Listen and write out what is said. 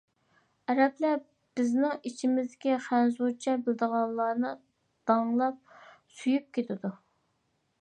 ئەرەبلەر بىزنىڭ ئىچىمىزدىكى خەنزۇچە بىلىدىغانلارنى داڭلاپ، سۆيۈپ كېتىدۇ.